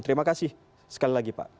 terima kasih sekali lagi pak